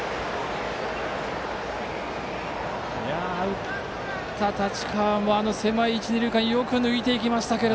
打った太刀川も狭い一、二塁間をよく抜いていきましたが。